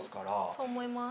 そう思います。